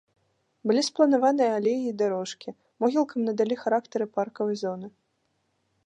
Былі спланаваныя алеі і дарожкі, могілкам надалі характары паркавай зоны.